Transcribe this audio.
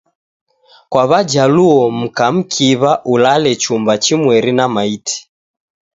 Kwa Wajaluo mka mkiw'a ulale chumba chimweri na maiti.